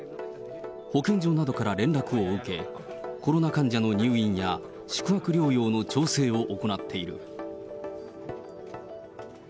保健所などから連絡を受け、コロナ患者の入院や、宿泊療養の調整を行っている。